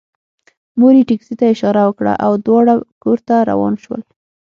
مور یې ټکسي ته اشاره وکړه او دواړه کور ته روان شول